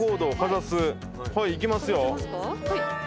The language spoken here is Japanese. はいいきますよ。